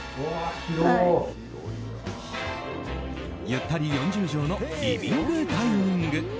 ゆったり４０畳のリビングダイニング。